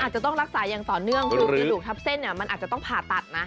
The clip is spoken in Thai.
จะต้องรักษาอย่างต่อเนื่องคือกระดูกทับเส้นมันอาจจะต้องผ่าตัดนะ